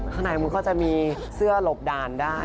ข้างในมันก็จะมีเสื้อหลบด่านได้